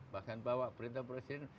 bahkan bawa perintah presiden